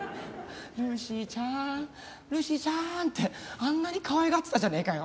「ルーシーちゃんルーシーちゃん」ってあんなにかわいがってたじゃねえかよ。